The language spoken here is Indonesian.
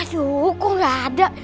aduh kok gak ada